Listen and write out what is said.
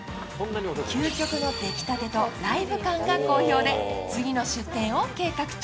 究極のできたてとライブ感が好評で次の出店を計画中。